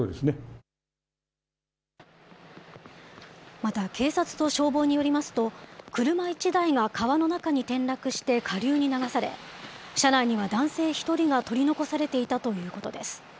また、警察と消防によりますと、車１台が川の中に転落して下流に流され、車内には男性１人が取り残されていたということです。